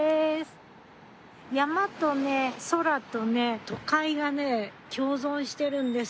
山とね空とね都会がね共存してるんです。